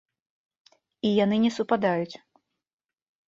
І яны не супадаюць.